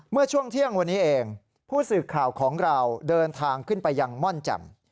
เมื่อช่วงเที่ยงวันนี้เองผู้สื่อข่าวของเราเดินทางขึ้นไปยังม่อนแจ่ม